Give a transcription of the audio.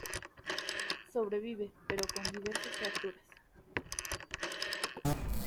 Sobrevive, pero con diversas fracturas.